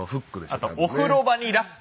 あとお風呂場にラッコ。